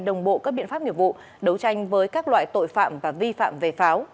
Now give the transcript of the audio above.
đồng bộ các biện pháp nghiệp vụ đấu tranh với các loại tội phạm và vi phạm về pháo